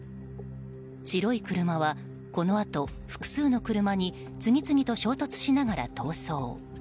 白い車はこのあと、複数の車に次々と衝突しながら逃走。